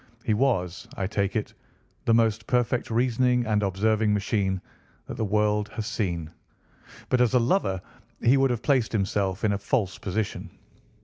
He was, I take it, the most perfect reasoning and observing machine that the world has seen, but as a lover he would have placed himself in a false position.